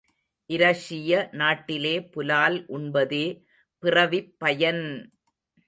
இரஷிய நாட்டிலே புலால் உண்பதே பிறவிப்பயன்!